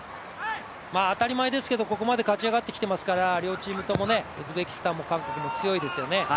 当たり前ですけどここまで勝ち上がってきていますから両チームとも、ウズベキスタンも韓国も強いですよね。